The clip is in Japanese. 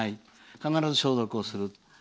必ず消毒をする。